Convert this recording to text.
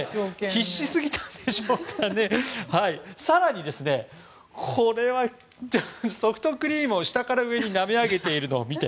必死すぎたんでしょうか更に、ソフトクリームを下から上になめ上げているのを見て。